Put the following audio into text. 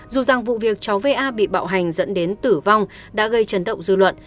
dù rằng vụ việc cháu va bị bạo hành dẫn đến tử vong đã gây chấn động dư luận